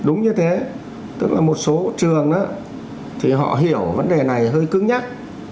đúng như thế tức là một số trường thì họ hiểu vấn đề này hơi cứng nhắc